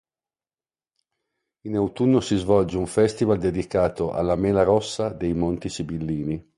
In autunno si svolge un festival dedicato alla mela rosa dei Monti Sibillini.